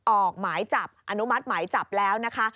ออกหมายจับอนุมัติหมายจับแล้วนะคะ